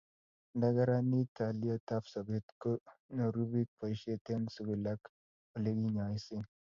Nda karanit haliyet ab sobet ko nyoru piik boiset eng' sugul ak ole kinyaisee